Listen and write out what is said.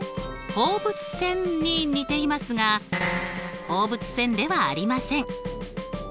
放物線に似ていますが放物線ではありません。